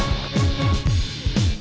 buat jangan lagi